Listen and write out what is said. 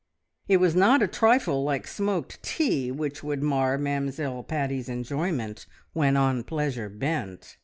It was not a trifle like smoked tea which would mar Mamzelle Paddy's enjoyment when on pleasure bent!